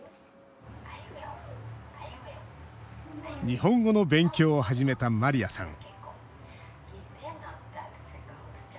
日本語の勉強を始めたマリアさん